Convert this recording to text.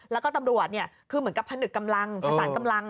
แล้วก็ตำรวจคือเหมือนกับผนึกกำลังผสานกำลัง